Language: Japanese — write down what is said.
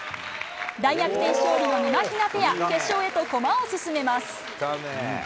大逆転勝利のみまひなペア、決勝へと駒を進めます。